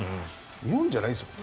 日本じゃないですから。